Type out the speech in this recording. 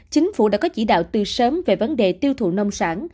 chính phủ đã có chỉ đạo từ sớm về vấn đề tiêu thụ nông sản